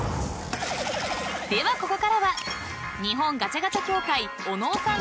［ではここからは日本ガチャガチャ協会小野尾さん